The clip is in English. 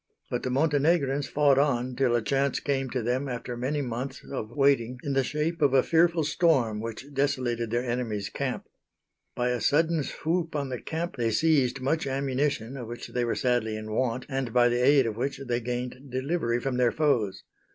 But the Montenegrins fought on till a chance came to them after many months of waiting in the shape of a fearful storm which desolated their enemies' Camp. By a sudden swoop on the camp they seized much ammunition of which they were sadly in want and by the aid of which they gained delivery from their foes.